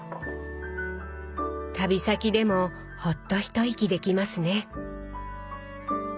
旅先でもほっと一息できますね。